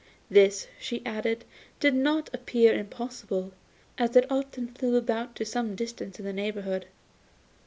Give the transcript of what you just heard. This, she added, did not appear impossible, as it often flew about to some distance in the neighbourhood.